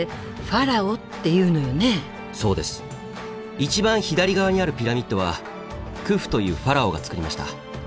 一番左側にあるピラミッドはクフというファラオがつくりました。